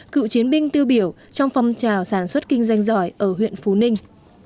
cựu chiến binh tiêu biểu trong phong trào sản xuất kinh doanh giỏi ở huyện phú ninh